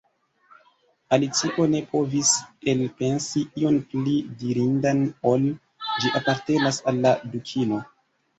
Alicio ne povis elpensi ion pli dirindan ol: "Ĝi apartenas al la Dukino. »